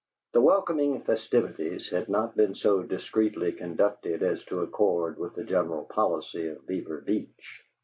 The welcoming festivities had not been so discreetly conducted as to accord with the general policy of Beaver Beach.